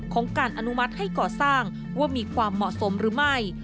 ของการอนุมัติให้ก่อสร้างว่ามีความเหมาะสมหรือไม่